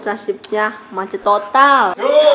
nasibnya macet total